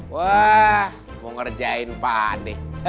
wah mau ngerjain pahane